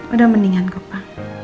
udah mendinganku pa